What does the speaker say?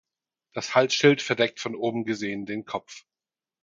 Das Halsschild verdeckt von oben gesehen den Kopf.